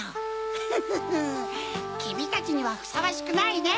フフフフきみたちにはふさわしくないね。